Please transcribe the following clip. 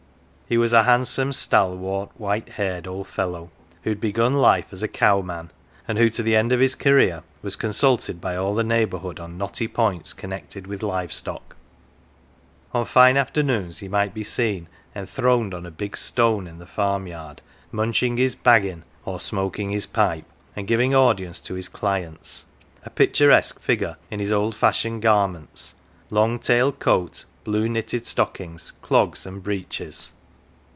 He was a handsome, stalwart, white haired old fellow, who had begun life as a cow man, and who to the end of his career was con sulted by all the neigh Ixjurhood on knotty points connected with live stock. On fine afternoons he might be seen enthroned on a big stone in the farm 183 ON THE OTHER SIDE yard, munching his baggin 1 or smoking his pipe, and giving audience to his clients a picturesque figure in his old fashioned garments : long tailed coat, blue knitted stockings, clogs and breeches.